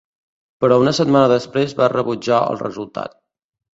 Però una setmana després va rebutjar el resultat.